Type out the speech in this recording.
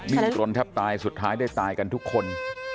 ดิ้นรนแทบตายสุดท้ายได้ตายกันทุกคน